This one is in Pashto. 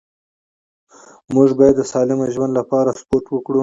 موږ باید د سالم ژوند لپاره سپورت وکړو